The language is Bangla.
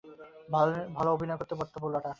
ভালো অভিনয় করত পোলাটা।